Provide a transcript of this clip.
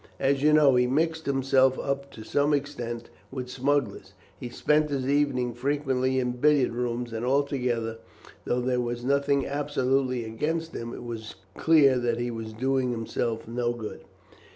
As you know, he mixed himself up to some extent with smugglers, he spent his evenings frequently in billiard rooms, and altogether, though there was nothing absolutely against him, it was clear that he was doing himself no good."